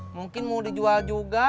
mungkin mau dijual juga